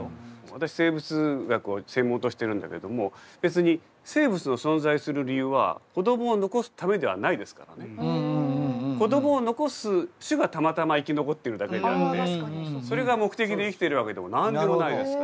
私生物学を専門としてるんだけども別に子どもを残す種がたまたま生き残ってるだけであってそれが目的で生きてるわけでも何でもないですから。